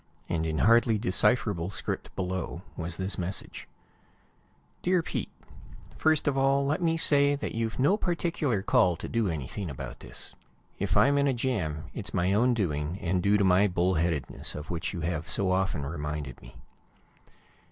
And in hardly decipherable script, below, was his message: Dear Pete: First of all, let me say that you've no particular call to do anything about this. If I'm in a jam, it's my own doing, and due to my bull headedness, of which you have so often reminded me.